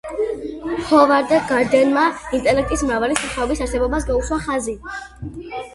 ჰოვარდ გარდნერმა ინტელექტის მრავალი სახეობის არსებობას გაუსვა ხაზი.